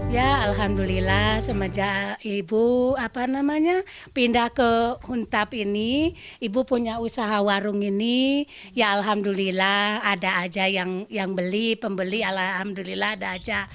ya alhamdulillah semenjak ibu apa namanya pindah ke huntap ini ibu punya usaha warung ini ya alhamdulillah ada aja yang beli pembeli alhamdulillah ada aja